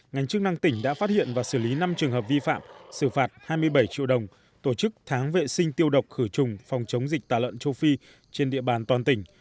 ngành chức năng tỉnh đã phát hiện và xử lý năm trường hợp vi phạm xử phạt hai mươi bảy triệu đồng tổ chức tháng vệ sinh tiêu độc khử trùng phòng chống dịch tả lợn châu phi trên địa bàn toàn tỉnh